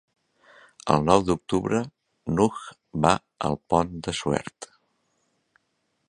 El nou d'octubre n'Hug va al Pont de Suert.